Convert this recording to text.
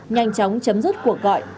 nhanh chóng chấm dứt cuộc gọi